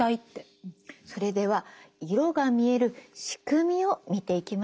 それでは色が見える仕組みを見ていきましょう。